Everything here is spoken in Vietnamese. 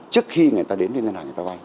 trước khi người ta đến ngân hàng người ta vay